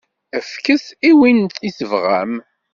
Fket-t i win i tebɣam.